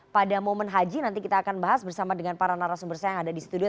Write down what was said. pada momen haji nanti kita akan bahas bersama dengan para narasumber saya yang ada di studio